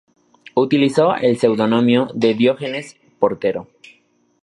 Utilizó el seudónimo de Diógenes Portero.